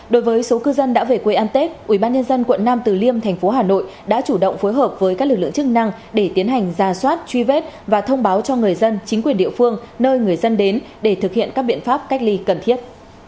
đối với số cư dân đã về quê ăn tết ubnd quận nam từ liêm thành phố hà nội đã chủ động phối hợp với các lực lượng chức năng để tiến hành ra soát truy vết và thông báo cho người dân chính quyền địa phương nơi người dân đến để thực hiện các biện pháp cách ly cần thiết